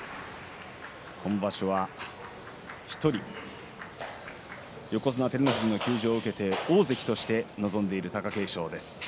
今場所は一人横綱照ノ富士の休場を受けて大関として臨んでいる貴景勝です。